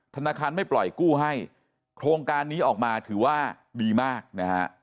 ธนาคารไม่ปล่อยกู้ให้โครงการนี้ออกมาถือว่าดีมากนะฮะ